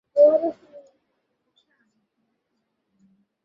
কুসুম একাই শশীর ঘর দেখিল।